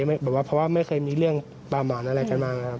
แบบว่าเพราะว่าไม่เคยมีเรื่องประหมาณอะไรกันมาครับ